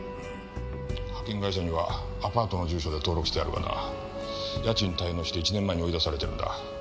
派遣会社にはアパートの住所で登録してあるがな家賃滞納して１年前に追い出されてるんだ。